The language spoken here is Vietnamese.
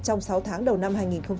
trong sáu tháng đầu năm hai nghìn hai mươi